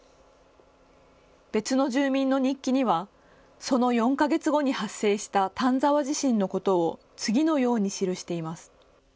別の住民の日記にはその４か月後に発生した丹沢地震のことを次のように記しています。